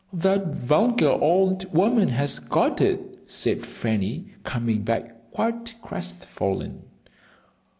"That vulgar old woman has got it," said Fanny, coming back quite crestfallen.